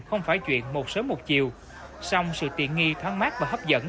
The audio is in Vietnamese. không phải chuyện một sớm một chiều song sự tiện nghi thoáng mát và hấp dẫn